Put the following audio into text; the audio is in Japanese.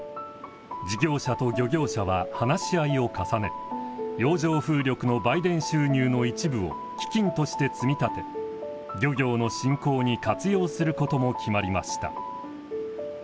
事業者と漁業者は話し合いを重ね洋上風力の売電収入の一部を基金として積み立て漁業の振興に活用することも決まりました。